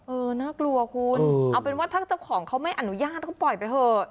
เออน่ากลัวคุณเอาเป็นว่าถ้าเจ้าของเขาไม่อนุญาตก็ปล่อยไปเถอะ